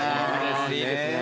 いいですね。